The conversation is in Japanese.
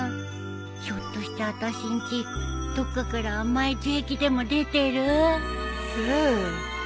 ひょっとしてあたしんちどっかから甘い樹液でも出てる？さあ？